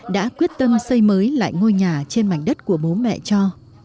đã quyết tâm xây mới lại ngôi nhà trên mảnh đất của bố mẹ cho